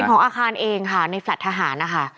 เป็นของอาคารเองครับในแฟลตทหารค่ะ